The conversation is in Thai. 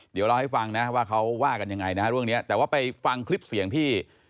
เดี๋ยวเราให้ฟังนะว่าเขาว่ากันยังไงนะฮะเรื่องนี้แต่ว่าไปฟังคลิปเสียงที่